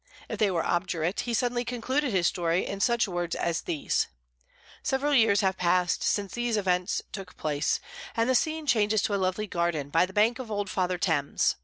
If they were obdurate, he suddenly concluded his story in such words as these: "Several years have passed since these events took place, and the scene changes to a lovely garden by the bank of old Father Thames.